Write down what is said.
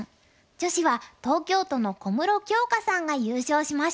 女子は東京都の小室杏花さんが優勝しました。